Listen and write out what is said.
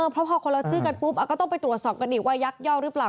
เพราะพอคนละชื่อกันปุ๊บก็ต้องไปตรวจสอบกันอีกว่ายักยอกหรือเปล่า